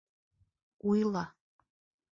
Уйла!